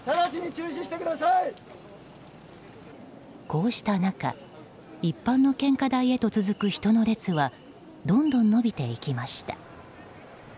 こうした中一般の献花台へと続く人の列はどんどん伸びていきました。